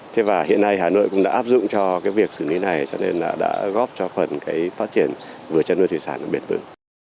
thế và hiện nay hà nội cũng đã áp dụng cho việc sử lý này cho nên đã góp cho phần phát triển vừa chăn nuôi thủy sản đặc biệt hơn